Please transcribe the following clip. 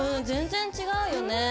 全然違うよね。